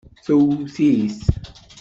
Twet-it.